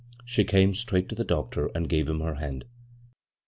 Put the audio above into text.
She came straight to the doctor and gave him her hand.